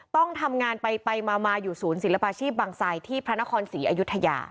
ต้องทำงานไปมาอยู่ศูนย์ศิลปาชีพบางไซดที่พระนครศรีอยุธยา